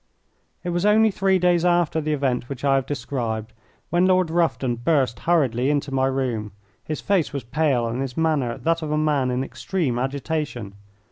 It was only three days after the event which I have described when Lord Rufton burst hurriedly into my room. His face was pale and his manner that of a man in extreme agitation.